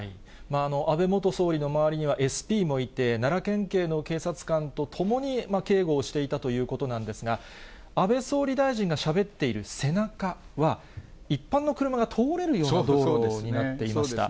安倍元総理の周りにはＳＰもいて、奈良県警の警察官と共に警護をしていたということなんですが、安倍総理大臣がしゃべっている背中は、一般の車が通れるような道路になっていました。